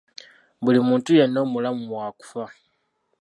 Buli muntu yenna omulamu waakufa.